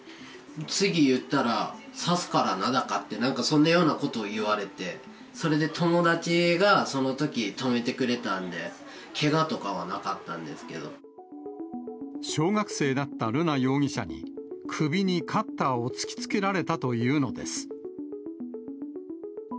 次言ったら刺すからなとか、なんかそんなようなことを言われて、それで友達がそのとき止めてくれたんで、小学生だった瑠奈容疑者に、首にカッターを突きつけられたというのです。